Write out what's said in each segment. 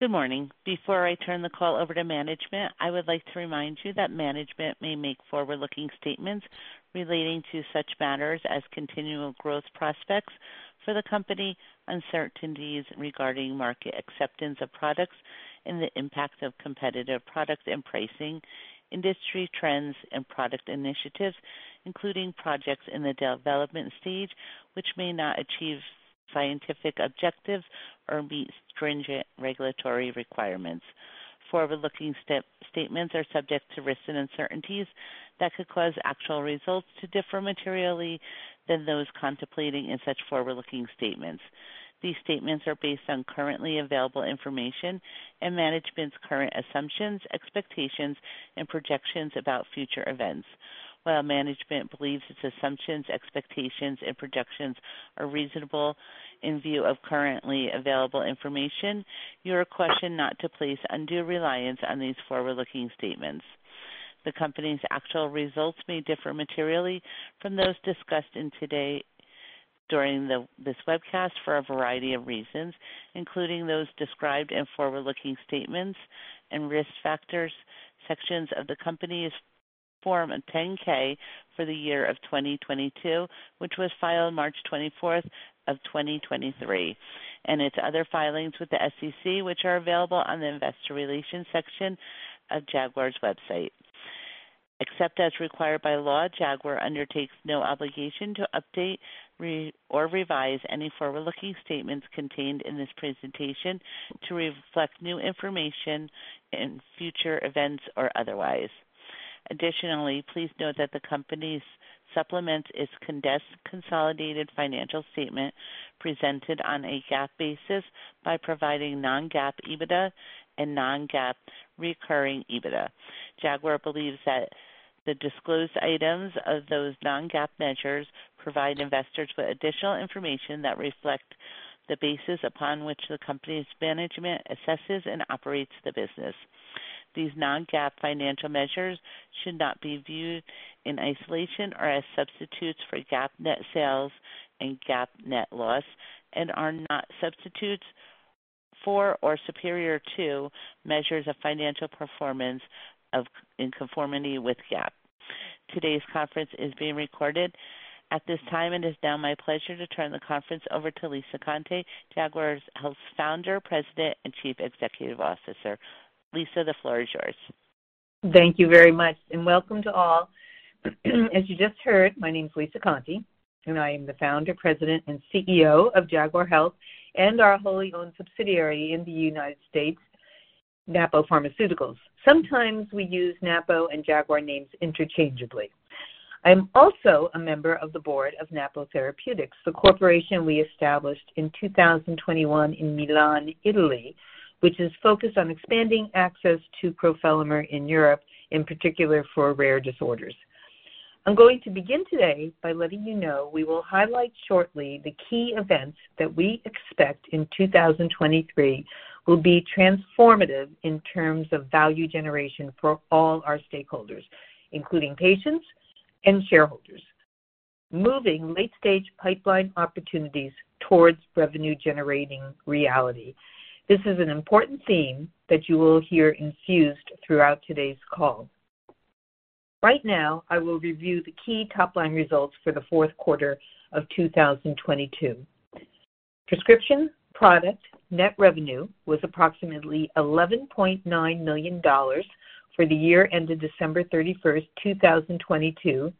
Good morning. Before I turn the call over to management, I would like to remind you that management may make forward-looking statements relating to such matters as continual growth prospects for the company, uncertainties regarding market acceptance of products and the impact of competitive products and pricing, industry trends and product initiatives, including projects in the development stage, which may not achieve scientific objectives or meet stringent regulatory requirements. Forward-looking statements are subject to risks and uncertainties that could cause actual results to differ materially than those contemplating in such forward-looking statements. These statements are based on currently available information and management's current assumptions, expectations, and projections about future events. While management believes its assumptions, expectations, and projections are reasonable in view of currently available information, you are cautioned not to place undue reliance on these forward-looking statements. The company's actual results may differ materially from those discussed today during this webcast for a variety of reasons, including those described in forward-looking statements and Risk Factors sections of the company's Form 10-K for the year 2022, which was filed March 24th, 2023, and its other filings with the SEC, which are available on the Investor Relations section of Jaguar's website. Except as required by law, Jaguar undertakes no obligation to update or revise any forward-looking statements contained in this presentation to reflect new information in future events or otherwise. Additionally, please note that the company's supplement is consolidated financial statement presented on a GAAP basis by providing non-GAAP EBITDA and non-GAAP recurring EBITDA. Jaguar believes that the disclosed items of those non-GAAP measures provide investors with additional information that reflect the basis upon which the company's management assesses and operates the business. These non-GAAP financial measures should not be viewed in isolation or as substitutes for GAAP net sales and GAAP net loss and are not substitutes for or superior to measures of financial performance in conformity with GAAP. Today's conference is being recorded. At this time, it is now my pleasure to turn the conference over to Lisa Conte, Jaguar Health's Founder, President, and Chief Executive Officer. Lisa, the floor is yours. Thank you very much. Welcome to all. As you just heard, my name is Lisa Conte, I am the Founder, President, and CEO of Jaguar Health and our wholly owned subsidiary in the United States, Napo Pharmaceuticals. Sometimes we use Napo and Jaguar names interchangeably. I'm also a member of the board of Napo Therapeutics, the corporation we established in 2021 in Milan, Italy, which is focused on expanding access to crofelemer in Europe, in particular for rare disorders. I'm going to begin today by letting you know we will highlight shortly the key events that we expect in 2023 will be transformative in terms of value generation for all our stakeholders, including patients and shareholders. Moving late-stage pipeline opportunities towards revenue-generating reality. This is an important theme that you will hear infused throughout today's call. Right now, I will review the key top-line results for the fourth quarter of 2022. Prescription product net revenue was approximately $11.9 million for the year ended December 31, 2022,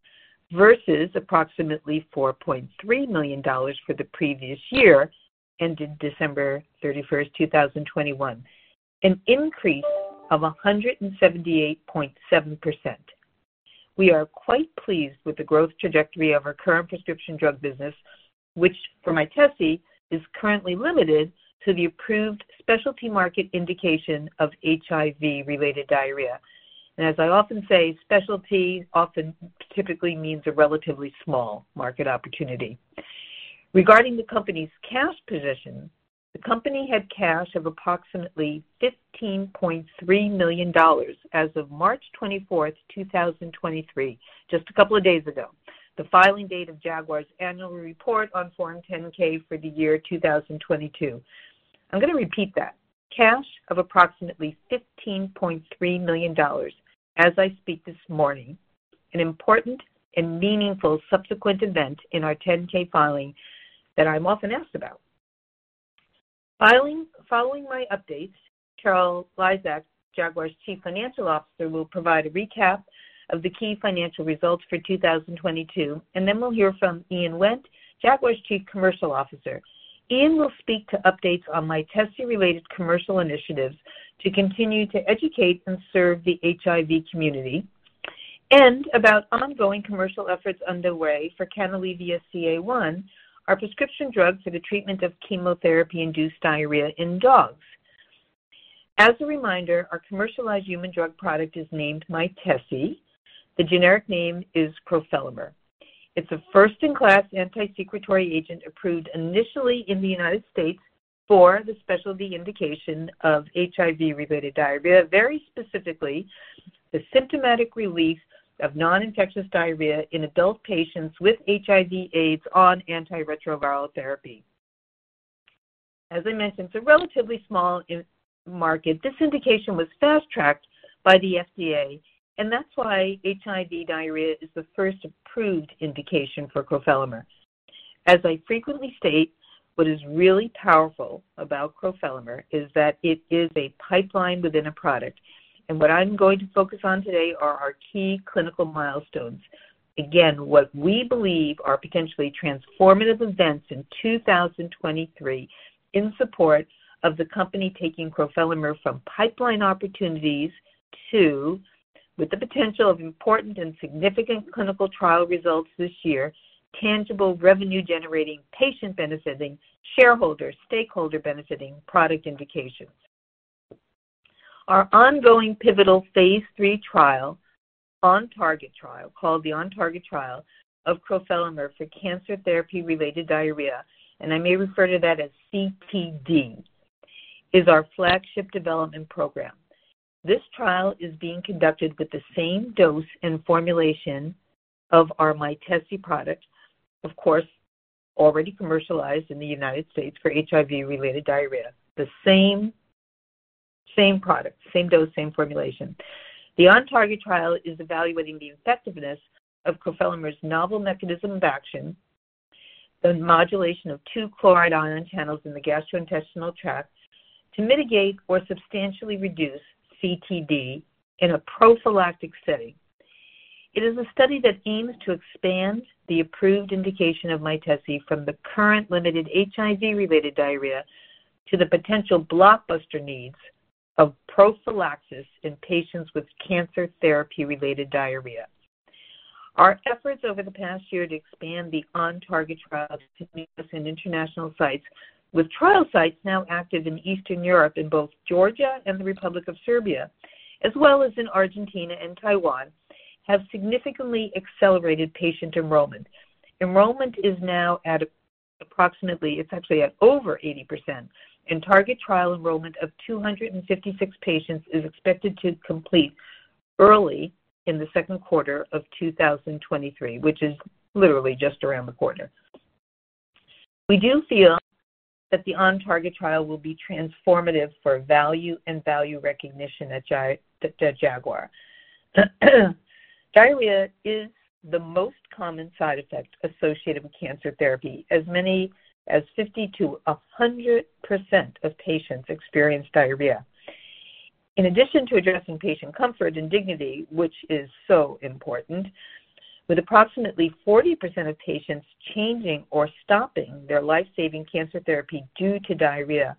versus approximately $4.3 million for the previous year ended December 31, 2021, an increase of 178.7%. We are quite pleased with the growth trajectory of our current prescription drug business, which for Mytesi is currently limited to the approved specialty market indication of HIV-related diarrhea. As I often say, specialty often typically means a relatively small market opportunity. Regarding the company's cash position, the company had cash of approximately $15.3 million as of March 24th, 2023, just a couple of days ago, the filing date of Jaguar's annual report on Form 10-K for the year 2022. I'm gonna repeat that. Cash of approximately $15.3 million as I speak this morning, an important and meaningful subsequent event in our 10-K filing that I'm often asked about. Following my updates, Carol Lizak, Jaguar's Chief Financial Officer, will provide a recap of the key financial results for 2022, and then we'll hear from Ian Wendt, Jaguar's Chief Commercial Officer. Ian will speak to updates on Mytesi-related commercial initiatives to continue to educate and serve the HIV community and about ongoing commercial efforts underway for Canalevia-CA1, our prescription drug for the treatment of chemotherapy-induced diarrhea in dogs. As a reminder, our commercialized human drug product is named Mytesi. The generic name is crofelemer. It's a first-in-class anti-secretory agent approved initially in the United States for the specialty indication of HIV-related diarrhea, very specifically, the symptomatic relief of non-infectious diarrhea in adult patients with HIV/AIDS on antiretroviral therapy. As I mentioned, it's a relatively small market. This indication was fast-tracked by the FDA, and that's why HIV diarrhea is the first approved indication for crofelemer. As I frequently state, what is really powerful about crofelemer is that it is a pipeline within a product. What I'm going to focus on today are our key clinical milestones. What we believe are potentially transformative events in 2023 in support of the company taking crofelemer from pipeline opportunities to, with the potential of important and significant clinical trial results this year, tangible revenue-generating, patient-benefiting, shareholder, stakeholder-benefiting product indications. Our ongoing pivotal phase III trial, OnTarget trial, called the OnTarget trial of crofelemer for cancer therapy-related diarrhea, and I may refer to that as CTD, is our flagship development program. This trial is being conducted with the same dose and formulation of our Mytesi product, of course, already commercialized in the United States for HIV-related diarrhea. The same product, same dose, same formulation. The OnTarget trial is evaluating the effectiveness of crofelemer's novel mechanism of action, the modulation of two chloride ion channels in the gastrointestinal tract, to mitigate or substantially reduce CTD in a prophylactic setting. It is a study that aims to expand the approved indication of Mytesi from the current limited HIV-related diarrhea to the potential blockbuster needs of prophylaxis in patients with cancer therapy-related diarrhea. Our efforts over the past year to expand the OnTarget trial to numerous and international sites, with trial sites now active in Eastern Europe in both Georgia and the Republic of Serbia, as well as in Argentina and Taiwan, have significantly accelerated patient enrollment. Enrollment is now actually at over 80%, and target trial enrollment of 256 patients is expected to complete early in the second quarter of 2023, which is literally just around the corner. We do feel that the OnTarget trial will be transformative for value and value recognition at Jaguar. Diarrhea is the most common side effect associated with cancer therapy. As many as 50%-100% of patients experience diarrhea. In addition to addressing patient comfort and dignity, which is so important, with approximately 40% of patients changing or stopping their life-saving cancer therapy due to diarrhea,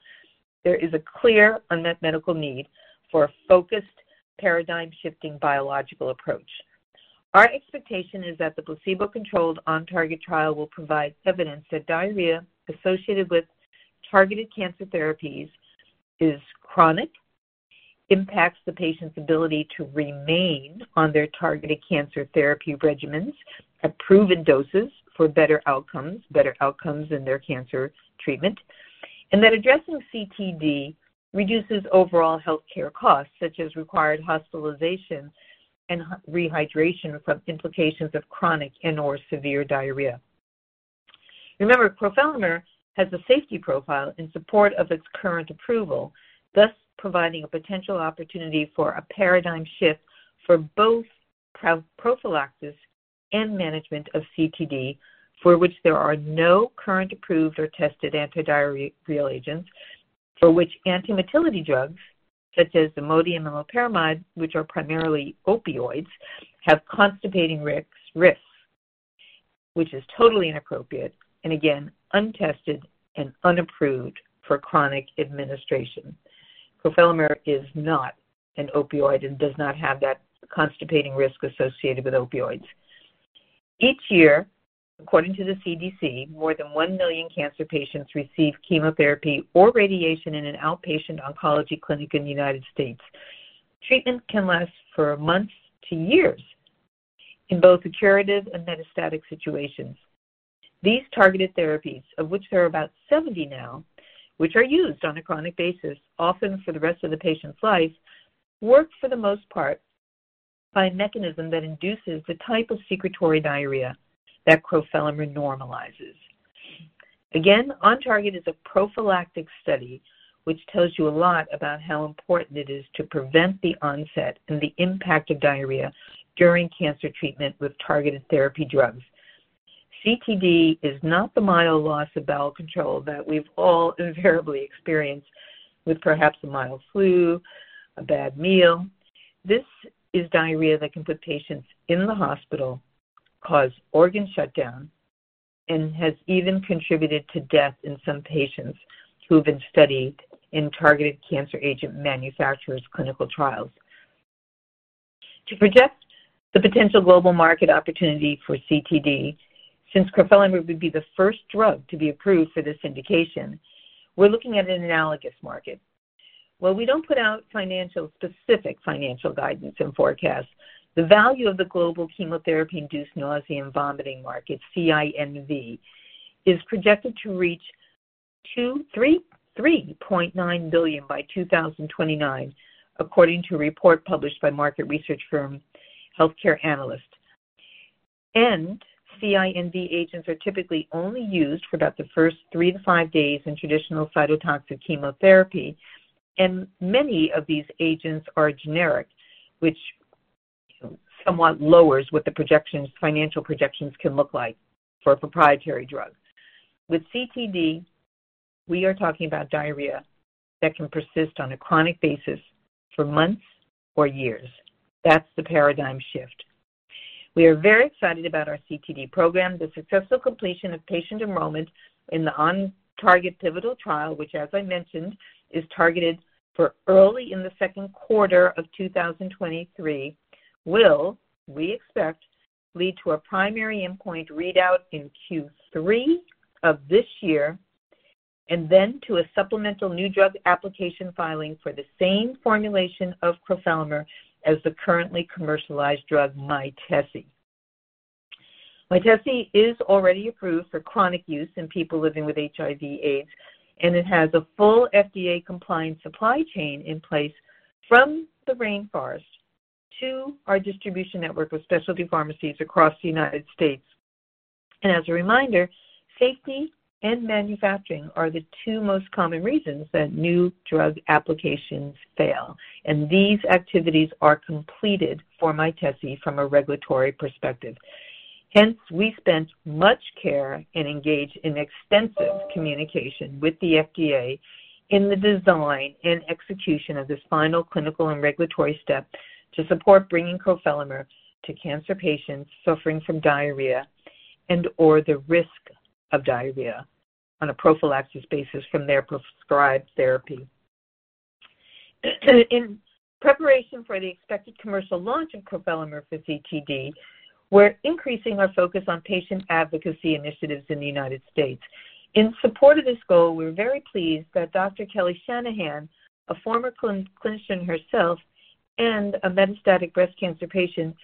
there is a clear unmet medical need for a focused paradigm-shifting biological approach. Our expectation is that the placebo-controlled OnTarget trial will provide evidence that diarrhea associated with targeted cancer therapies is chronic, impacts the patient's ability to remain on their targeted cancer therapy regimens at proven doses for better outcomes, better outcomes in their cancer treatment, and that addressing CTD reduces overall healthcare costs, such as required hospitalization and rehydration from implications of chronic and/or severe diarrhea. Remember, crofelemer has a safety profile in support of its current approval, thus providing a potential opportunity for a paradigm shift for both pro-prophylaxis and management of CTD, for which there are no current approved or tested antidiarrheal agents. Antimotility drugs, such as Imodium and loperamide, which are primarily opioids, have constipating risks, which is totally inappropriate, and again, untested and unapproved for chronic administration. Crofelemer is not an opioid and does not have that constipating risk associated with opioids. Each year, according to the CDC, more than 1 million cancer patients receive chemotherapy or radiation in an outpatient oncology clinic in the United States. Treatment can last for months to years in both curative and metastatic situations. These targeted therapies, of which there are about 70 now, which are used on a chronic basis, often for the rest of the patient's life, work for the most part by a mechanism that induces the type of secretory diarrhea that crofelemer normalizes. OnTarget is a prophylactic study, which tells you a lot about how important it is to prevent the onset and the impact of diarrhea during cancer treatment with targeted therapy drugs. CTD is not the mild loss of bowel control that we've all invariably experienced with perhaps a mild flu, a bad meal. This is diarrhea that can put patients in the hospital, cause organ shutdown, and has even contributed to death in some patients who have been studied in targeted cancer agent manufacturers' clinical trials. To project the potential global market opportunity for CTD, since crofelemer would be the first drug to be approved for this indication, we're looking at an analogous market. While we don't put out specific financial guidance and forecasts, the value of the global chemotherapy-induced nausea and vomiting market, CINV, is projected to reach $2.339 billion by 2029 according to a report published by market research firm Healthcare Analyst. CINV agents are typically only used for about the first three to five days in traditional cytotoxic chemotherapy, and many of these agents are generic, which somewhat lowers what the projections, financial projections can look like for a proprietary drug. With CTD, we are talking about diarrhea that can persist on a chronic basis for months or years. That's the paradigm shift. We are very excited about our CTD program. The successful completion of patient enrollment in the OnTarget pivotal trial, which as I mentioned, is targeted for early in the second quarter of 2023, will, we expect, lead to a primary endpoint readout in Q3 of this year, and then to a supplemental New Drug Application filing for the same formulation of crofelemer as the currently commercialized drug, Mytesi. Mytesi is already approved for chronic use in people living with HIV/AIDS, and it has a full FDA-compliant supply chain in place from the rainforest to our distribution network of specialty pharmacies across the United States. As a reminder, safety and manufacturing are the two most common reasons that New Drug Applications fail, and these activities are completed for Mytesi from a regulatory perspective. We spent much care and engaged in extensive communication with the FDA in the design and execution of this final clinical and regulatory step to support bringing crofelemer to cancer patients suffering from diarrhea and/or the risk of diarrhea on a prophylaxis basis from their prescribed therapy. In preparation for the expected commercial launch of crofelemer for CTD, we're increasing our focus on patient advocacy initiatives in the United States. In support of this goal, we're very pleased that Dr. Kelly Shanahan, a former clinician herself and a metastatic breast cancer patient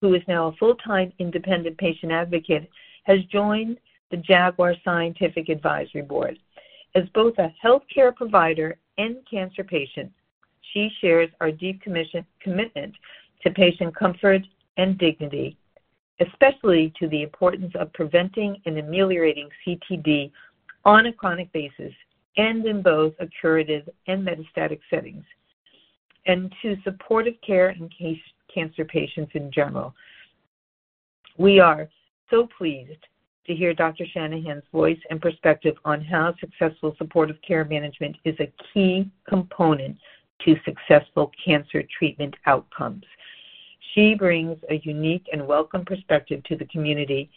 who is now a full-time independent patient advocate, has joined the Jaguar Scientific Advisory Board. As both a healthcare provider and cancer patient, she shares our deep commitment to patient comfort and dignity, especially to the importance of preventing and ameliorating CTD on a chronic basis and in both a curative and metastatic settings, and to supportive care in cancer patients in general. We are so pleased to hear Dr. Shanahan's voice and perspective on how successful supportive care management is a key component to successful cancer treatment outcomes. She brings a unique and welcome perspective to the community,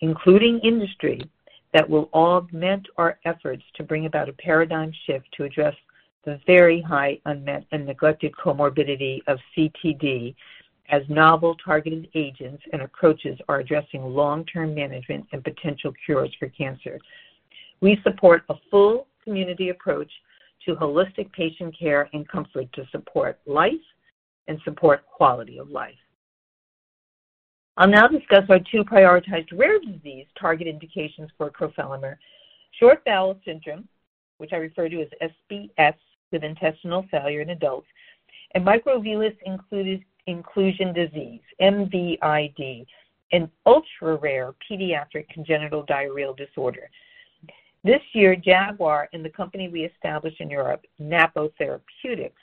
including industry, that will augment our efforts to bring about a paradigm shift to address the very high unmet and neglected comorbidity of CTD as novel targeted agents and approaches are addressing long-term management and potential cures for cancer. We support a full community approach to holistic patient care and comfort to support life and support quality of life. I'll now discuss our two prioritized rare disease target indications for crofelemer. Short bowel syndrome, which I refer to as SBS with intestinal failure in adults, and microvillous inclusion disease, MVID, an ultra-rare pediatric congenital diarrheal disorder. This year, Jaguar and the company we established in Europe, Napo Therapeutics,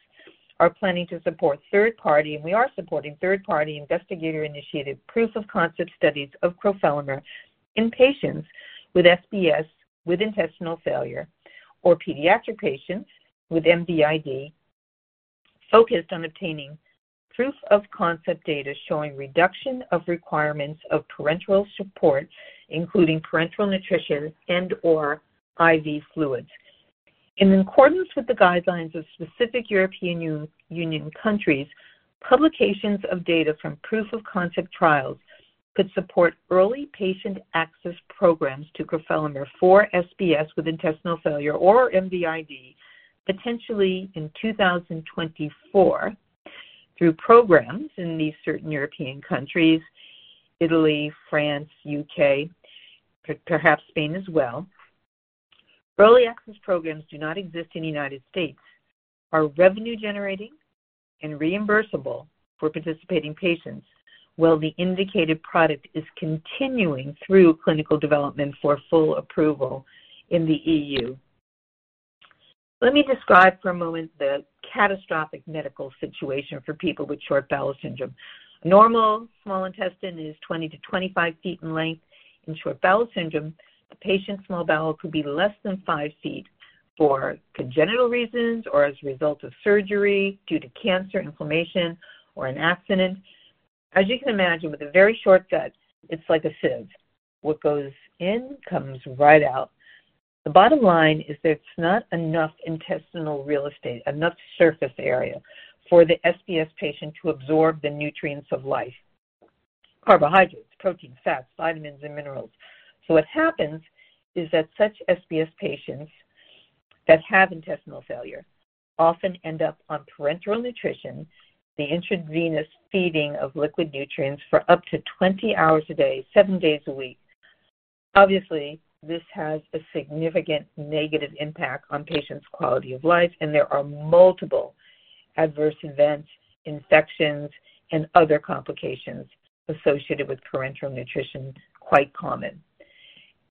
are planning to support third-party, and we are supporting third-party investigator-initiated proof-of-concept studies of crofelemer in patients with SBS with intestinal failure or pediatric patients with MVID focused on obtaining proof-of-concept data showing reduction of requirements of parenteral support, including parenteral nutrition and/or IV fluids. In accordance with the guidelines of specific European Union countries, publications of data from proof-of-concept trials could support early patient access programs to crofelemer for SBS with intestinal failure or MVID potentially in 2024 through programs in these certain European countries, Italy, France, U.K., perhaps Spain as well. Early access programs do not exist in the United States, are revenue generating and reimbursable for participating patients while the indicated product is continuing through clinical development for full approval in the EU. Let me describe for a moment the catastrophic medical situation for people with short bowel syndrome. A normal small intestine is 20-25 ft in length. In short bowel syndrome, a patient's small bowel could be less than 5 ft for congenital reasons or as a result of surgery due to cancer, inflammation, or an accident. As you can imagine, with a very short gut, it's like a sieve. What goes in comes right out. The bottom line is there's not enough intestinal real estate, enough surface area for the SBS patient to absorb the nutrients of life, carbohydrates, proteins, fats, vitamins, and minerals. What happens is that such SBS patients that have intestinal failure often end up on parenteral nutrition, the intravenous feeding of liquid nutrients for up to 20 hours a day, seven days a week. Obviously, this has a significant negative impact on patients' quality of life, and there are multiple adverse events, infections, and other complications associated with parenteral nutrition, quite common.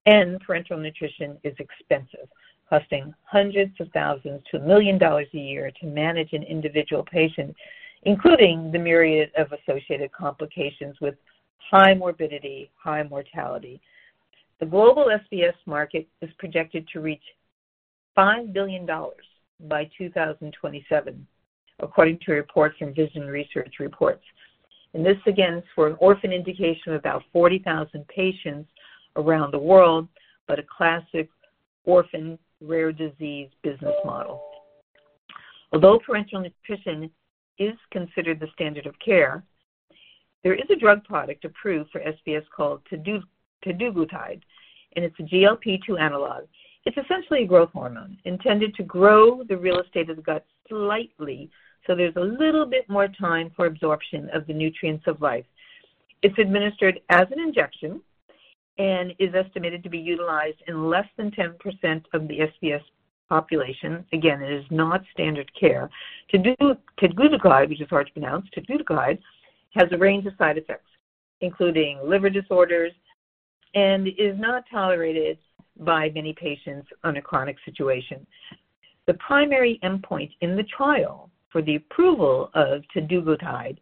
Parenteral nutrition is expensive, costing hundreds of thousands to $1 million a year to manage an individual patient, including the myriad of associated complications with high morbidity, high mortality. The global SBS market is projected to reach $5 billion by 2027, according to reports from Vision Research Reports. This again is for an orphan indication of about 40,000 patients around the world, but a classic orphan rare disease business model. Although parenteral nutrition is considered the standard of care, there is a drug product approved for SBS called teduglutide, and it's a GLP-2 analog. It's essentially a growth hormone intended to grow the real estate of the gut slightly, so there's a little bit more time for absorption of the nutrients of life. It's administered as an injection and is estimated to be utilized in less than 10% of the SBS population. It is not standard care. Teduglutide, which is hard to pronounce, has a range of side effects, including liver disorders, and is not tolerated by many patients on a chronic situation. The primary endpoint in the trial for the approval of teduglutide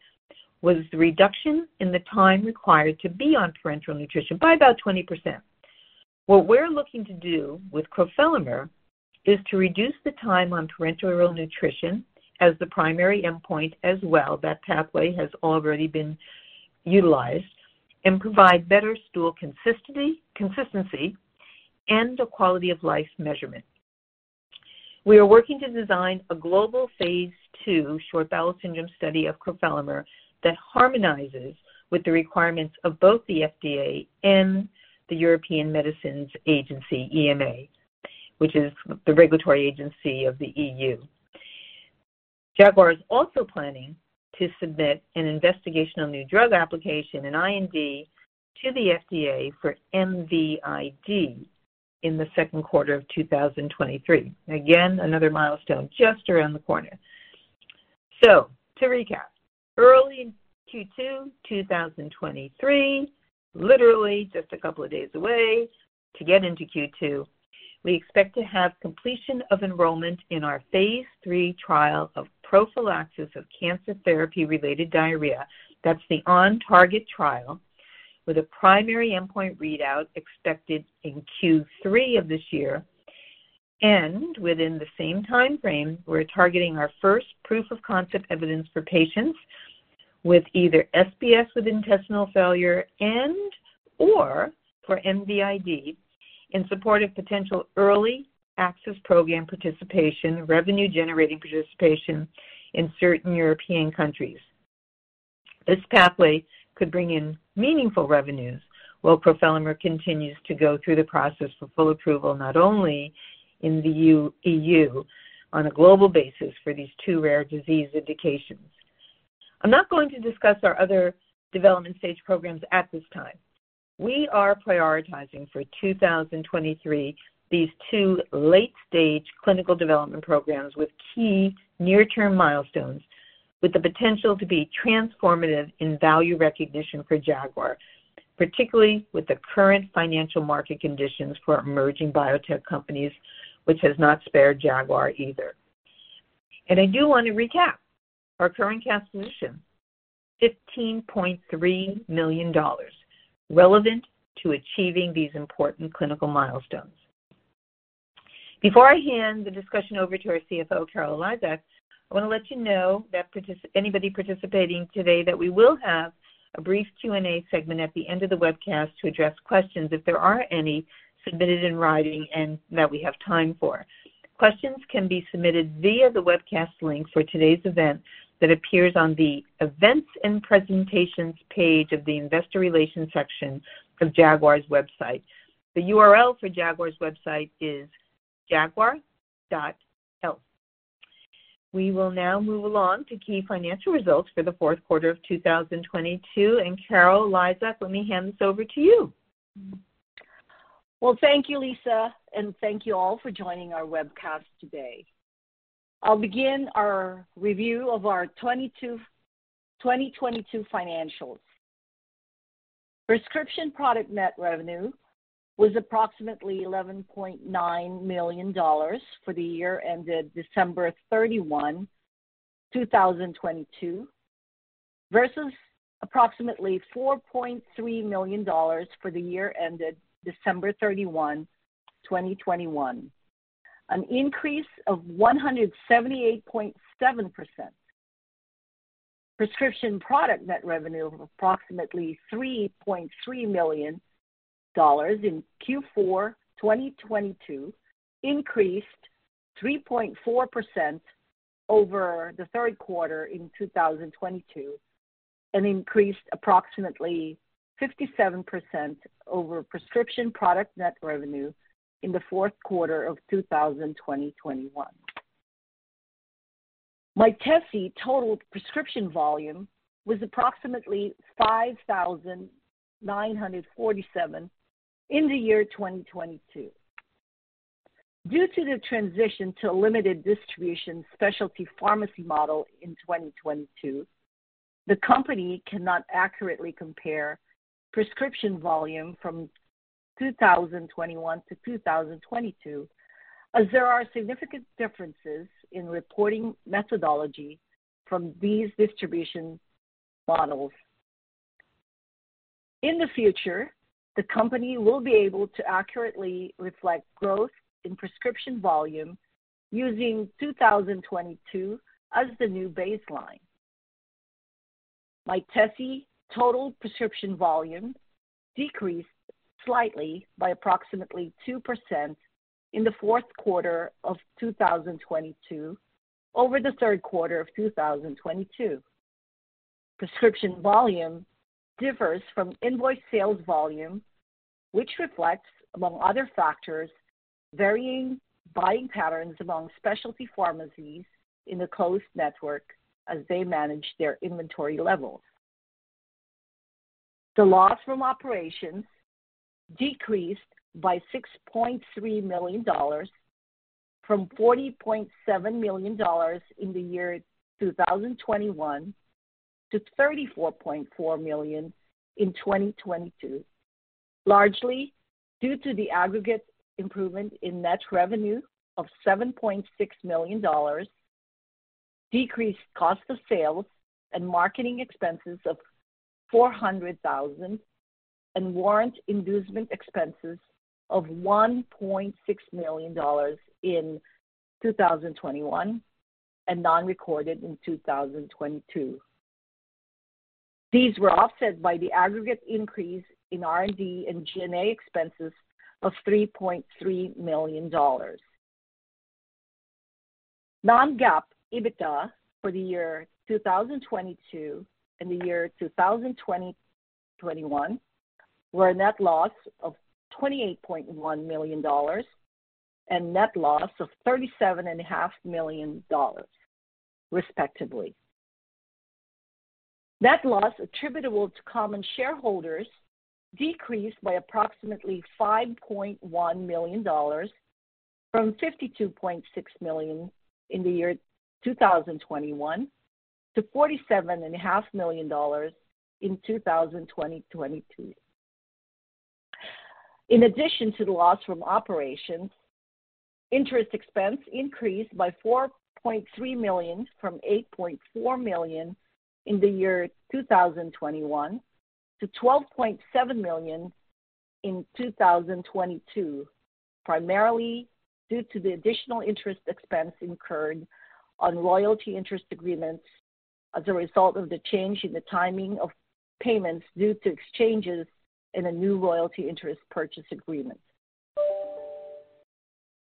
was the reduction in the time required to be on parenteral nutrition by about 20%. What we're looking to do with crofelemer is to reduce the time on parenteral nutrition as the primary endpoint as well, that pathway has already been utilized, and provide better stool consistency and a quality-of-life measurement. We are working to design a global phase II short bowel syndrome study of crofelemer that harmonizes with the requirements of both the FDA and the European Medicines Agency, EMA, which is the regulatory agency of the EU. Jaguar is also planning to submit an Investigational New Drug application, an IND, to the FDA for MVID in the second quarter of 2023. Another milestone just around the corner. To recap, early in Q2 2023, literally just a couple of days away to get into Q2, we expect to have completion of enrollment in our phase III trial of prophylaxis of cancer therapy-related diarrhea. That's the OnTarget trial with a primary endpoint readout expected in Q3 of this year. Within the same timeframe, we're targeting our first proof-of-concept evidence for patients with either SBS with intestinal failure and/or for MVID in support of potential early access program participation, revenue-generating participation in certain European countries. This pathway could bring in meaningful revenues while crofelemer continues to go through the process for full approval, not only in the EU, on a global basis for these two rare disease indications. I'm not going to discuss our other development stage programs at this time. We are prioritizing for 2023 these two late-stage clinical development programs with key near-term milestones with the potential to be transformative in value recognition for Jaguar, particularly with the current financial market conditions for emerging biotech companies, which has not spared Jaguar either. I do want to recap our current cash position, $15.3 million relevant to achieving these important clinical milestones. Before I hand the discussion over to our CFO, Carol Lizak, I want to let you know that anybody participating today that we will have a brief Q&A segment at the end of the webcast to address questions, if there are any, submitted in writing and that we have time for. Questions can be submitted via the webcast link for today's event that appears on the Events and Presentations page of the Investor Relations section of Jaguar's website. The URL for Jaguar's website is jaguar.health. We will now move along to key financial results for the fourth quarter of 2022. Carol Lizak, let me hand this over to you. Well, thank you, Lisa Conte, and thank you all for joining our webcast today. I'll begin our review of our 2022 financials. Prescription product net revenue was approximately $11.9 million for the year ended December 31, 2022, versus approximately $4.3 million for the year ended December 31, 2021, an increase of 178.7%. Prescription product net revenue of approximately $3.3 million in Q4 2022 increased 3.4% over the third quarter in 2022. Increased approximately 57% over prescription product net revenue in the fourth quarter of 2021. Mytesi total prescription volume was approximately 5,947 in 2022. Due to the transition to a limited distribution specialty pharmacy model in 2022, the company cannot accurately compare prescription volume from 2021 to 2022, as there are significant differences in reporting methodology from these distribution models. In the future, the company will be able to accurately reflect growth in prescription volume using 2022 as the new baseline. Mytesi total prescription volume decreased slightly by approximately 2% in the fourth quarter of 2022 over the third quarter of 2022. Prescription volume differs from invoice sales volume, which reflects, among other factors, varying buying patterns among specialty pharmacies in the closed network as they manage their inventory levels. The loss from operations decreased by $6.3 million from $40.7 million in the year 2021 to $34.4 million in 2022. Largely due to the aggregate improvement in net revenue of $7.6 million, decreased cost of sales and marketing expenses of $400,000, and warrant inducement expenses of $1.6 million in 2021 and none recorded in 2022. These were offset by the aggregate increase in R&D and G&A expenses of $3.3 million. Non-GAAP EBITDA for the year 2022 and the year 2021 were a net loss of $28.1 million and net loss of $37 and a half million dollars, respectively. Net loss attributable to common shareholders decreased by approximately $5.1 million from $52.6 million in the year 2021 to $47 and a half million dollars in 2022. In addition to the loss from operations, interest expense increased by $4.3 million from $8.4 million in the year 2021 to $12.7 million in 2022, primarily due to the additional interest expense incurred on royalty interest agreements as a result of the change in the timing of payments due to exchanges in a new royalty interest purchase agreement.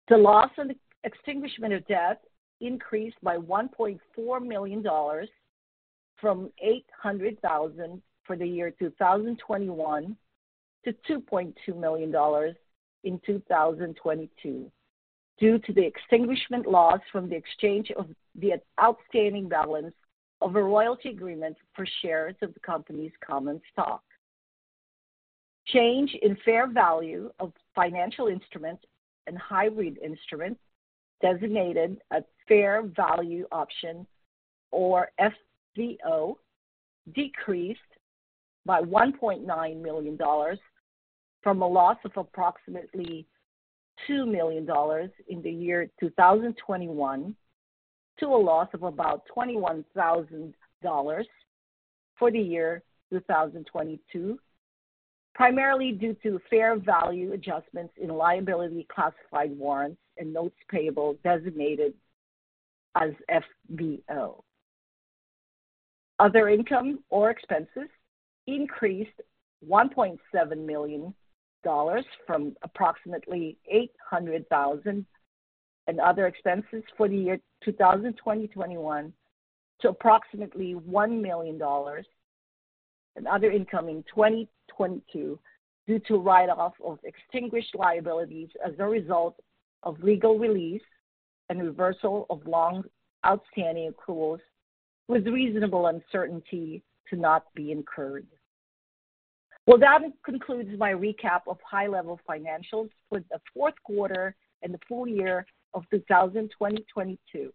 The loss on the extinguishment of debt increased by $1.4 million from $800,000 for the year 2021 to $2.2 million in 2022 due to the extinguishment loss from the exchange of the outstanding balance of a royalty agreement for shares of the company's common stock. Change in fair value of financial instruments and hybrid instruments designated a fair value option or FVO decreased by $1.9 million from a loss of approximately $2 million in the year 2021 to a loss of about $21,000 for the year 2022, primarily due to fair value adjustments in liability-classified warrants and notes payable designated as FVO. Other income or expenses increased $1.7 million from approximately $800,000 in other expenses for the year 2021 to approximately $1 million in other income in 2022 due to write-off of extinguished liabilities as a result of legal release and reversal of long outstanding accruals with reasonable uncertainty to not be incurred. That concludes my recap of high-level financials for the fourth quarter and the full year of 2022.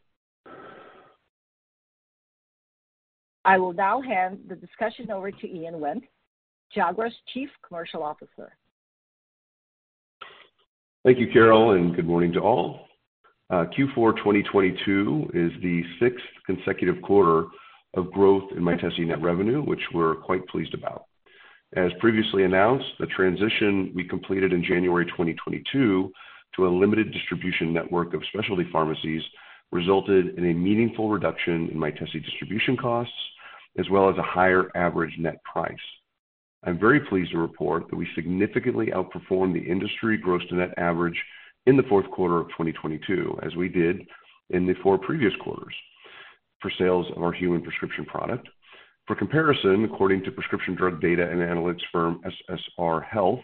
I will now hand the discussion over to Ian Wendt, Jaguar's Chief Commercial Officer. Thank you, Carol, and good morning to all. Q4 2022 is the sixth consecutive quarter of growth in Mytesi net revenue, which we're quite pleased about. As previously announced, the transition we completed in January 2022 to a limited distribution network of specialty pharmacies resulted in a meaningful reduction in Mytesi distribution costs as well as a higher average net price. I'm very pleased to report that we significantly outperformed the industry gross to net average in the fourth quarter of 2022, as we did in the four previous quarters for sales of our human prescription product. For comparison, according to prescription drug data and analytics firm SSR Health,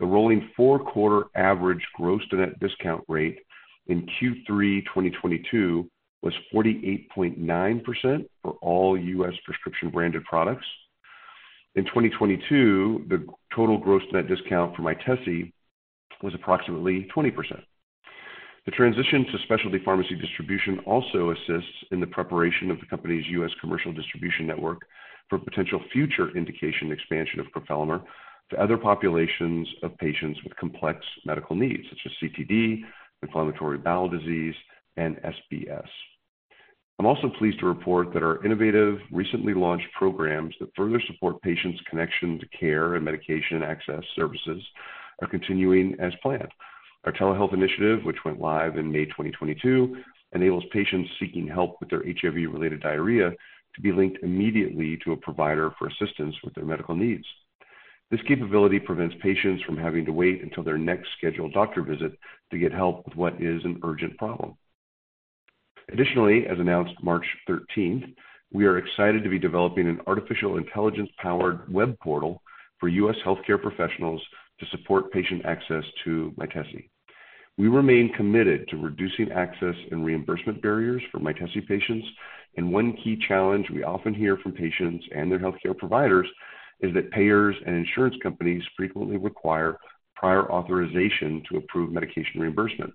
the rolling four-quarter average gross to net discount rate in Q3 2022 was 48.9% for all U.S. prescription branded products. In 2022, the total gross net discount for Mytesi was approximately 20%. The transition to specialty pharmacy distribution also assists in the preparation of the company's U.S. commercial distribution network for potential future indication expansion of crofelemer to other populations of patients with complex medical needs such as CTD, inflammatory bowel disease, and SBS. I'm also pleased to report that our innovative, recently launched programs that further support patients' connection to care and medication access services are continuing as planned. Our telehealth initiative, which went live in May 2022, enables patients seeking help with their HIV-related diarrhea to be linked immediately to a provider for assistance with their medical needs. This capability prevents patients from having to wait until their next scheduled doctor visit to get help with what is an urgent problem. As announced March 13th, we are excited to be developing an artificial intelligence powered web portal for U.S. healthcare professionals to support patient access to Mytesi. We remain committed to reducing access and reimbursement barriers for Mytesi patients. One key challenge we often hear from patients and their healthcare providers is that payers and insurance companies frequently require prior authorization to approve medication reimbursement.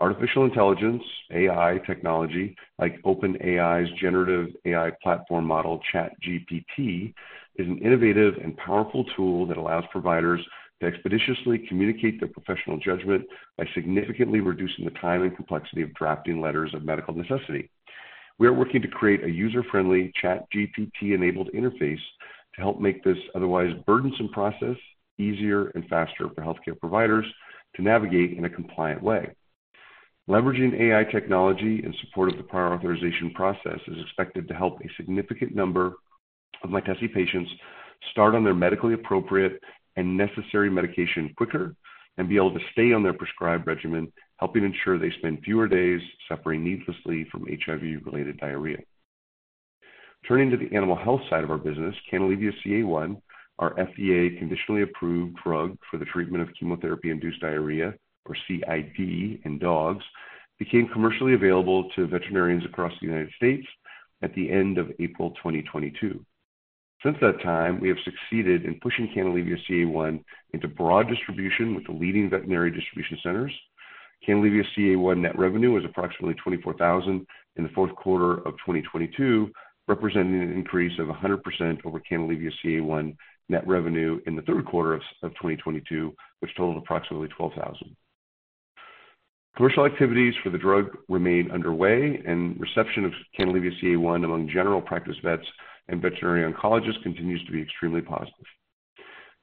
Artificial intelligence, AI technology like OpenAI's generative AI platform model, ChatGPT, is an innovative and powerful tool that allows providers to expeditiously communicate their professional judgment by significantly reducing the time and complexity of drafting letters of medical necessity. We are working to create a user-friendly ChatGPT enabled interface to help make this otherwise burdensome process easier and faster for healthcare providers to navigate in a compliant way. Leveraging AI technology in support of the prior authorization process is expected to help a significant number of Mytesi patients start on their medically appropriate and necessary medication quicker and be able to stay on their prescribed regimen, helping ensure they spend fewer days suffering needlessly from HIV-related diarrhea. Turning to the animal health side of our business, Canalevia-CA1, our FDA conditionally approved drug for the treatment of chemotherapy-induced diarrhea, or CID in dogs, became commercially available to veterinarians across the United States at the end of April 2022. Since that time, we have succeeded in pushing Canalevia-CA1 into broad distribution with the leading veterinary distribution centers. Canalevia-CA1 net revenue was approximately $24,000 in the fourth quarter of 2022, representing an increase of 100% over Canalevia-CA1 net revenue in the third quarter of 2022, which totaled approximately $12,000. Commercial activities for the drug remain underway, reception of Canalevia-CA1 among general practice vets and veterinary oncologists continues to be extremely positive.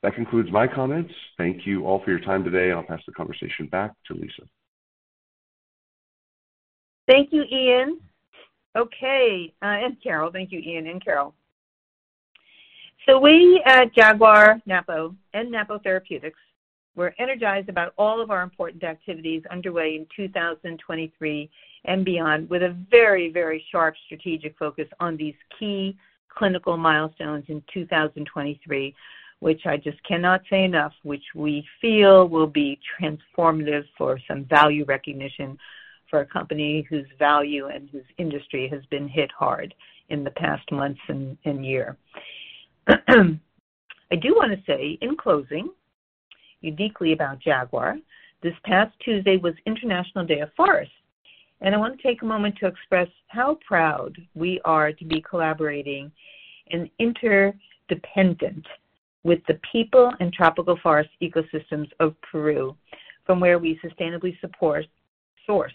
That concludes my comments. Thank you all for your time today. I'll pass the conversation back to Lisa. Thank you, Ian. Thank you, Ian and Carol. We at Jaguar, Napo, and Napo Therapeutics, we're energized about all of our important activities underway in 2023 and beyond with a very, very sharp strategic focus on these key clinical milestones in 2023, which I just cannot say enough, which we feel will be transformative for some value recognition for a company whose value and whose industry has been hit hard in the past months and year. I do want to say in closing, uniquely about Jaguar, this past Tuesday was International Day of Forests. I want to take a moment to express how proud we are to be collaborating and interdependent with the people in tropical forest ecosystems of Peru from where we sustainably source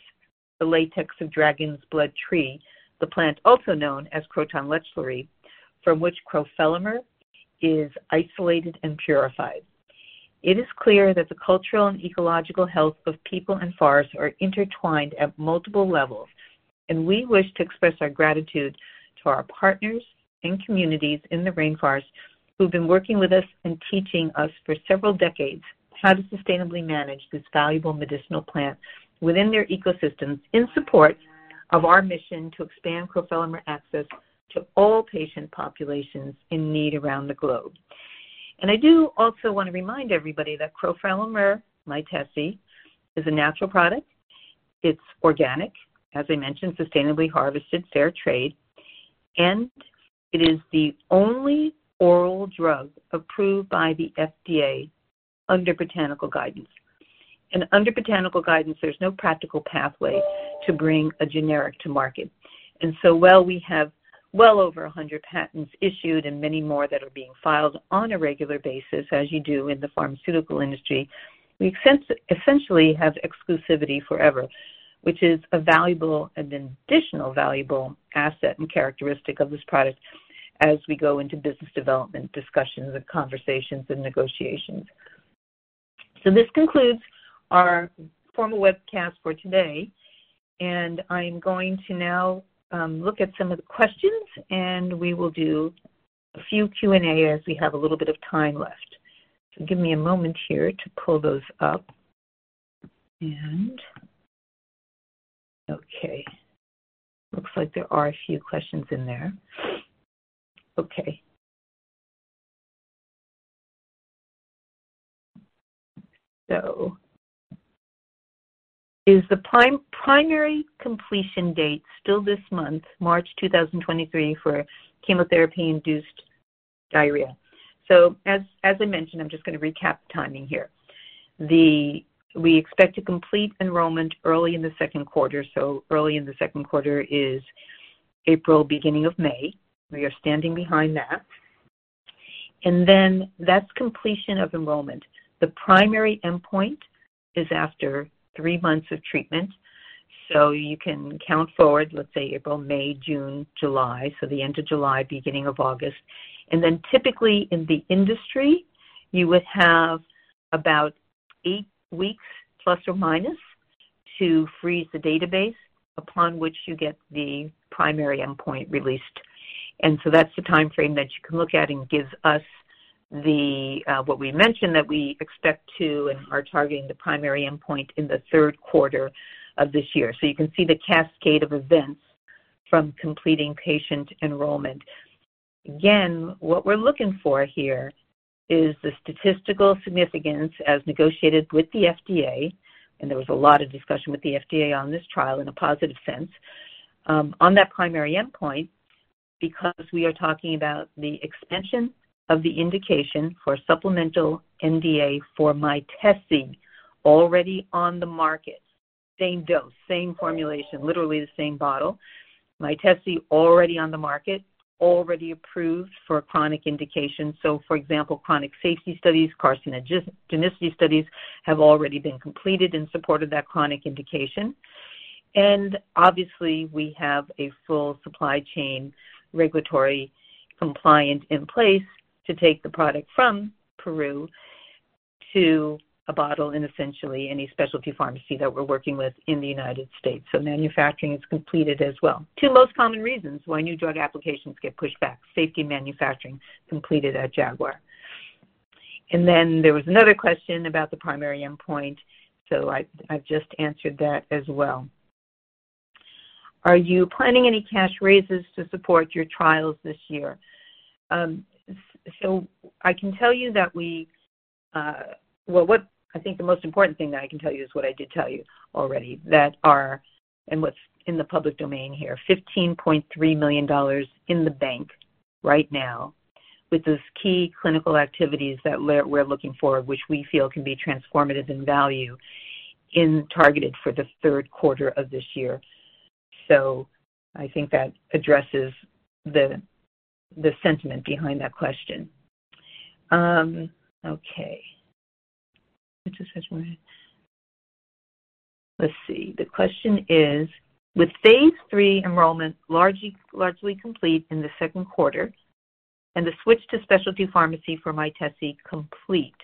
the latex of dragon's blood tree, the plant also known as Croton lechleri, from which crofelemer is isolated and purified. It is clear that the cultural and ecological health of people and forests are intertwined at multiple levels. We wish to express our gratitude to our partners and communities in the rainforest who've been working with us and teaching us for several decades how to sustainably manage this valuable medicinal plant within their ecosystems in support of our mission to expand crofelemer access to all patient populations in need around the globe. I do also want to remind everybody that crofelemer, Mytesi, is a natural product. It's organic, as I mentioned, sustainably harvested fair trade, and it is the only oral drug approved by the FDA under botanical guidance. Under botanical guidance, there's no practical pathway to bring a generic to market. While we have well over 100 patents issued and many more that are being filed on a regular basis, as you do in the pharmaceutical industry, we essentially have exclusivity forever, which is a valuable and an additional valuable asset and characteristic of this product as we go into business development discussions and conversations and negotiations. This concludes our formal webcast for today. I'm going to now look at some of the questions, and we will do a few Q&A as we have a little bit of time left. Give me a moment here to pull those up. Okay. Looks like there are a few questions in there. Okay. Is the primary completion date still this month, March 2023, for chemotherapy-induced diarrhea? As I mentioned, I'm just going to recap the timing here. We expect to complete enrollment early in the second quarter. Early in the second quarter is April, beginning of May. We are standing behind that. That's completion of enrollment. The primary endpoint is after three months of treatment, you can count forward, let's say, April, May, June, July, the end of July, beginning of August. Typically in the industry, you would have about eight weeks plus or minus to freeze the database upon which you get the primary endpoint released. That's the timeframe that you can look at and give us what we mentioned, that we expect to and are targeting the primary endpoint in the third quarter of this year. You can see the cascade of events from completing patient enrollment. Again, what we're looking for here is the statistical significance as negotiated with the FDA, and there was a lot of discussion with the FDA on this trial in a positive sense on that primary endpoint, because we are talking about the extension of the indication for sNDA for Mytesi already on the market. Same dose, same formulation, literally the same bottle. Mytesi already on the market, already approved for a chronic indication. For example, chronic safety studies, carcinogenicity studies have already been completed in support of that chronic indication. Obviously we have a full supply chain regulatory compliant in place to take the product from Peru to a bottle in essentially any specialty pharmacy that we're working with in the United States. Manufacturing is completed as well. Two most common reasons why New Drug Applications get pushed back, safety and manufacturing, completed at Jaguar. There was another question about the primary endpoint. I've just answered that as well. Are you planning any cash raises to support your trials this year? I can tell you that what I think the most important thing that I can tell you is what I did tell you already, that what's in the public domain here, $15.3 million in the bank right now with those key clinical activities that we're looking for, which we feel can be transformative in value and targeted for the third quarter of this year. I think that addresses the sentiment behind that question. Okay. Let's see. The question is: With phase III enrollment largely complete in the second quarter and the switch to specialty pharmacy for Mytesi complete,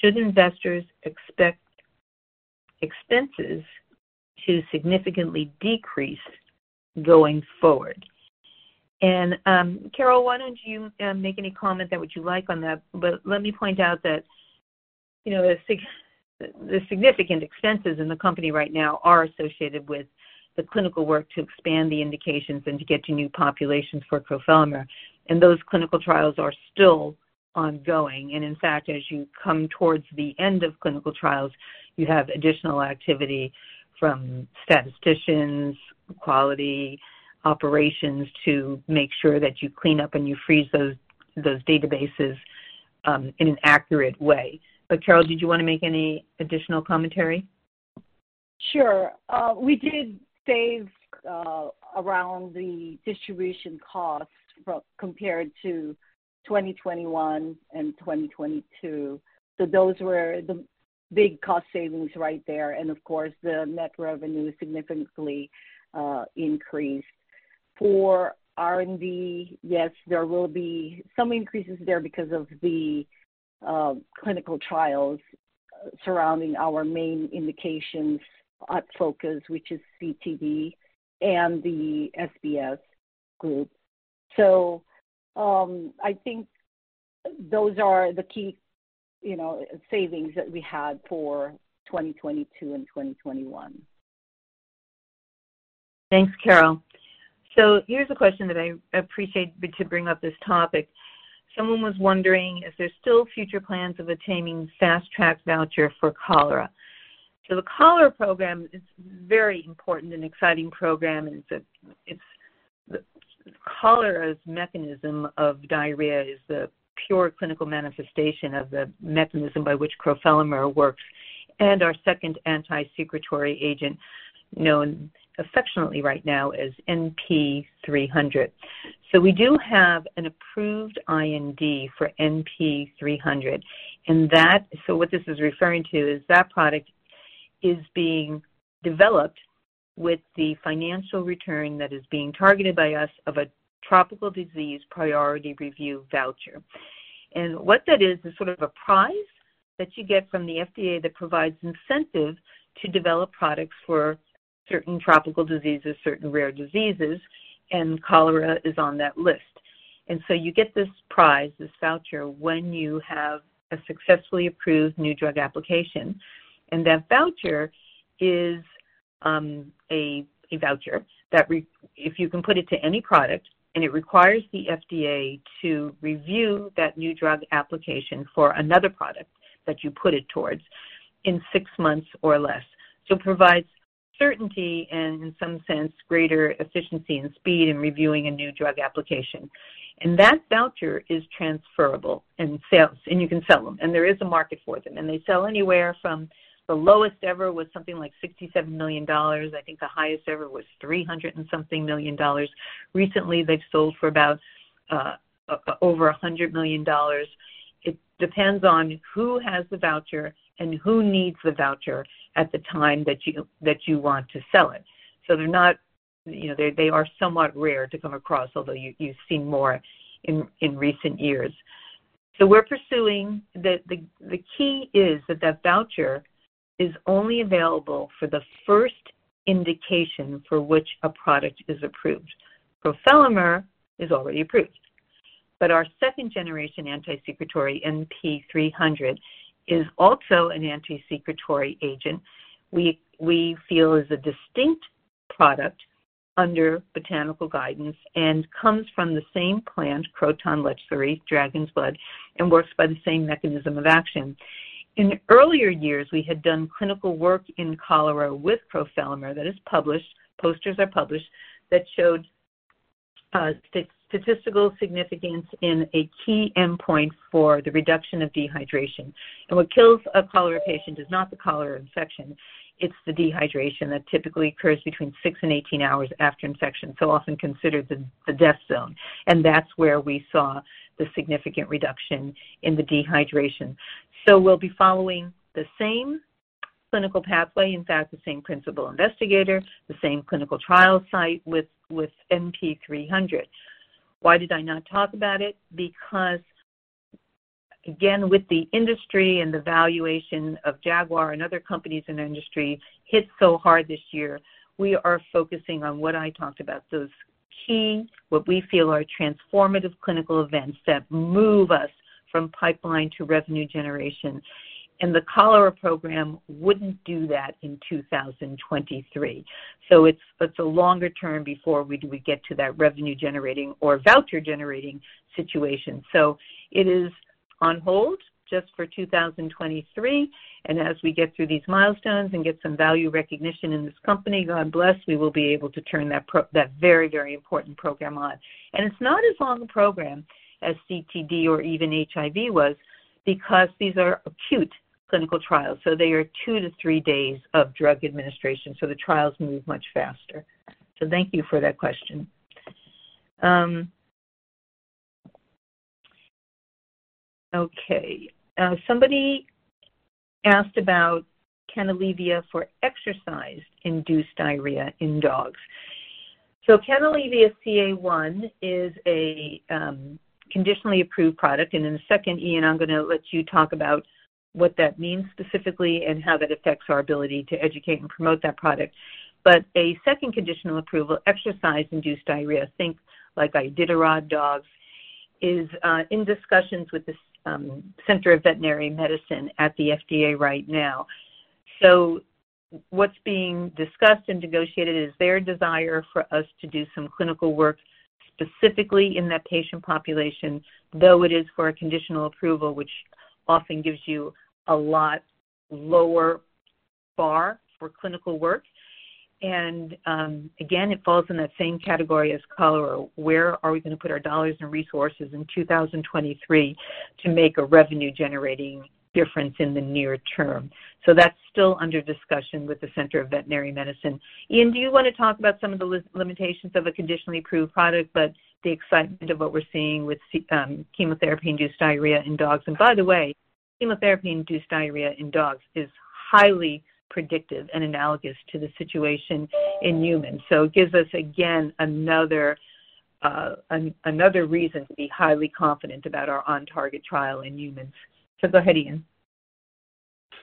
should investors expect expenses to significantly decrease going forward? Carol, why don't you make any comment that would you like on that? Let me point out that, you know, the significant expenses in the company right now are associated with the clinical work to expand the indications and to get to new populations for crofelemer. Those clinical trials are still ongoing. In fact, as you come towards the end of clinical trials, you have additional activity from statisticians, quality, operations to make sure that you clean up and you freeze those databases, in an accurate way. Carol, did you want to make any additional commentary? Sure. We did save around the distribution costs compared to 2021 and 2022. Those were the big cost savings right there. Of course, the net revenue significantly increased. For R&D, yes, there will be some increases there because of the clinical trials surrounding our main indications at focus, which is CTD and the SBS group. I think those are the key, you know, savings that we had for 2022 and 2021. Thanks, Carol. Here's a question that I appreciate to bring up this topic. Someone was wondering if there's still future plans of attaining fast track voucher for cholera. The cholera program is very important and exciting program. Cholera's mechanism of diarrhea is the pure clinical manifestation of the mechanism by which crofelemer works and our second anti-secretory agent, known affectionately right now as NP-300. We do have an approved IND for NP-300. What this is referring to is that product is being developed with the financial return that is being targeted by us of a tropical disease priority review voucher. What that is sort of a prize that you get from the FDA that provides incentive to develop products for certain tropical diseases, certain rare diseases, and cholera is on that list. You get this prize, this voucher, when you have a successfully approved New Drug Application. That voucher is, a voucher that if you can put it to any product, and it requires the FDA to review that New Drug Application for another product that you put it towards in six months or less. It provides certainty and, in some sense, greater efficiency and speed in reviewing a New Drug Application. That voucher is transferable and sells, and you can sell them, and there is a market for them. They sell anywhere from the lowest ever was something like $67 million. I think the highest ever was $300 and something million. Recently, they've sold for about, over $100 million. It depends on who has the voucher and who needs the voucher at the time that you want to sell it. They're not, you know. They are somewhat rare to come across, although you've seen more in recent years. We're pursuing the key is that voucher is only available for the first indication for which a product is approved. Crofelemer is already approved. Our second-generation anti-secretory, NP-300, is also an anti-secretory agent we feel is a distinct product under Botanical guidance and comes from the same plant, Croton lechleri, dragon's blood, and works by the same mechanism of action. In earlier years, we had done clinical work in cholera with crofelemer that is published, posters are published, that showed statistical significance in a key endpoint for the reduction of dehydration. What kills a cholera patient is not the cholera infection, it's the dehydration that typically occurs between six and 18 hours after infection, so often considered the death zone. That's where we saw the significant reduction in the dehydration. We'll be following the same clinical pathway, in fact, the same principal investigator, the same clinical trial site with NP-300. Why did I not talk about it? Because, again, with the industry and the valuation of Jaguar and other companies in our industry hit so hard this year, we are focusing on what I talked about, those key, what we feel are transformative clinical events that move us from pipeline to revenue generation. The cholera program wouldn't do that in 2023. It's a longer term before we get to that revenue-generating or voucher-generating situation. It is on hold just for 2023, and as we get through these milestones and get some value recognition in this company, God bless, we will be able to turn that very important program on. It's not as long a program as CTD or even HIV was because these are acute clinical trials, so they are two to three days of drug administration, so the trials move much faster. Thank you for that question. Okay. Somebody asked about Canalevia for exercise-induced diarrhea in dogs. Canalevia-CA1 is a conditionally approved product, and in a second, Ian, I'm gonna let you talk about what that means specifically and how that affects our ability to educate and promote that product. A second conditional approval, exercise-induced diarrhea, think like Iditarod dogs, is in discussions with the Center for Veterinary Medicine at the FDA right now. What's being discussed and negotiated is their desire for us to do some clinical work specifically in that patient population, though it is for a conditional approval, which often gives you a lot lower bar for clinical work. Again, it falls in that same category as cholera. Where are we gonna put our dollars and resources in 2023 to make a revenue-generating difference in the near term? That's still under discussion with the Center for Veterinary Medicine. Ian, do you wanna talk about some of the limitations of a conditionally approved product, but the excitement of what we're seeing with chemotherapy-induced diarrhea in dogs? By the way, chemotherapy-induced diarrhea in dogs is highly predictive and analogous to the situation in humans. It gives us, again, another reason to be highly confident about our OnTarget trial in humans. Go ahead, Ian.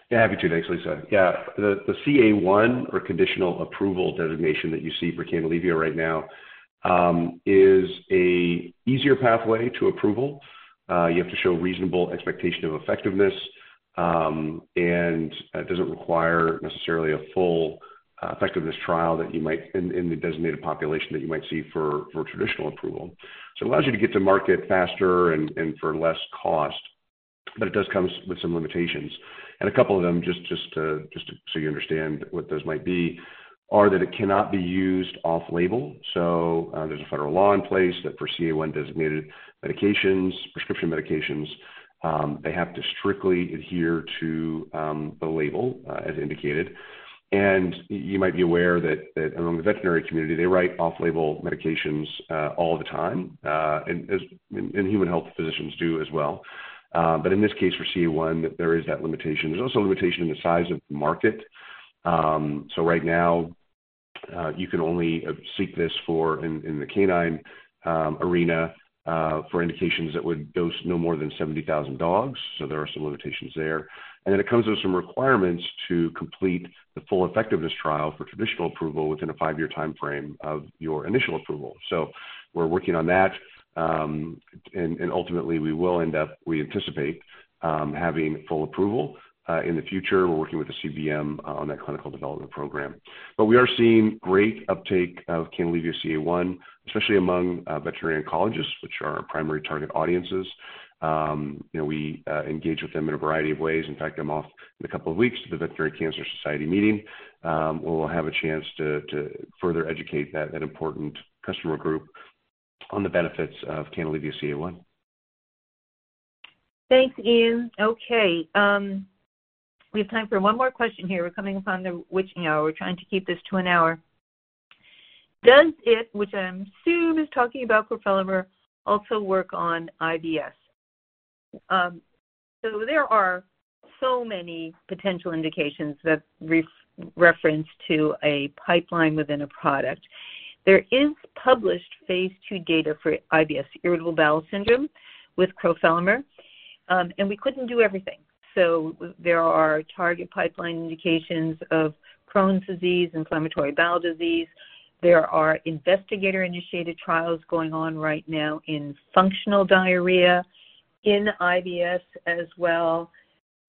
Yeah, happy to. Thanks, Lisa. Yeah, the CA1 or conditional approval designation that you see for Canalevia-CA1 right now, is a easier pathway to approval. You have to show reasonable expectation of effectiveness, and doesn't require necessarily a full effectiveness trial that you might in the designated population that you might see for traditional approval. It allows you to get to market faster and for less cost, but it does comes with some limitations. A couple of them, just so you understand what those might be, are that it cannot be used off-label. There's a federal law in place that for CA1 designated medications, prescription medications, they have to strictly adhere to the label as indicated. You might be aware that among the veterinary community, they write off-label medications all the time, and human health physicians do as well. In this case for CA1, there is that limitation. There's also a limitation in the size of the market. Right now, you can only seek this for in the canine arena, for indications that would dose no more than 70,000 dogs. There are some limitations there. It comes with some requirements to complete the full effectiveness trial for traditional approval within a five-year timeframe of your initial approval. We're working on that, and ultimately we will end up, we anticipate, having full approval in the future. We're working with the CBM on that clinical development program. We are seeing great uptake of Canalevia-CA1, especially among veterinary oncologists, which are our primary target audiences. You know, we engage with them in a variety of ways. In fact, I'm off in a couple of weeks to the Veterinary Cancer Society meeting, where we'll have a chance to further educate that important customer group on the benefits of Canalevia-CA1. Thanks, Ian. Okay, we have time for one more question here. We're coming up on the witching hour. We're trying to keep this to an hour. Does it, which I assume is talking about crofelemer, also work on IBS? There are so many potential indications that re-reference to a pipeline within a product. There is published phase II data for IBS, irritable bowel syndrome, with crofelemer, and we couldn't do everything. There are target pipeline indications of Crohn's disease, inflammatory bowel disease. There are investigator-initiated trials going on right now in functional diarrhea, in IBS as well.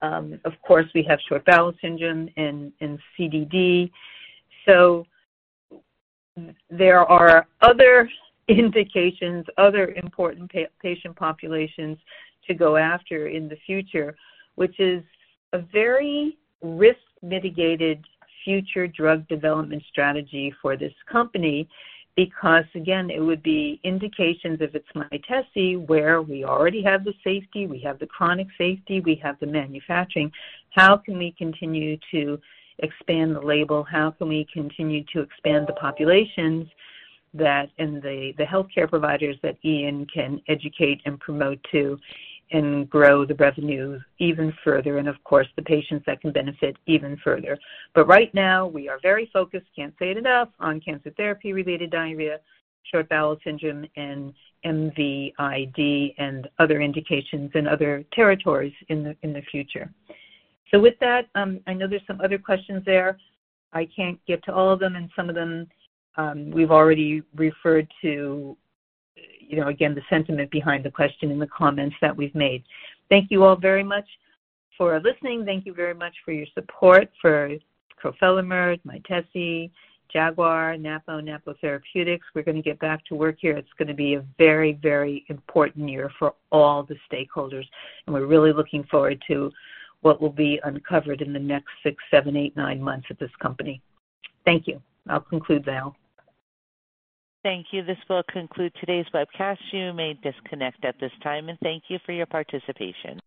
Of course, we have short bowel syndrome and CDD. There are other indications, other important patient populations to go after in the future, which is a very risk mitigated future drug development strategy for this company. Again, it would be indications if it's Mytesi where we already have the safety, we have the chronic safety, we have the manufacturing, how can we continue to expand the label? How can we continue to expand the populations and the healthcare providers that Ian can educate and promote to and grow the revenue even further and of course the patients that can benefit even further. Right now we are very focused, can't say it enough, on cancer therapy-related diarrhea, short bowel syndrome, and MVID and other indications in other territories in the future. With that, I know there's some other questions there. I can't get to all of them and some of them, we've already referred to, you know, again, the sentiment behind the question in the comments that we've made. Thank you all very much for listening. Thank you very much for your support for crofelemer, Mytesi, Jaguar, Napo Therapeutics. We're gonna get back to work here. It's gonna be a very, very important year for all the stakeholders. We're really looking forward to what will be uncovered in the next six, seven, eight, nine months at this company. Thank you. I'll conclude, Val. Thank you. This will conclude today's webcast. You may disconnect at this time, and thank you for your participation.